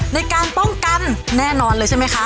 ในการป้องกันแน่นอนเลยใช่ไหมคะ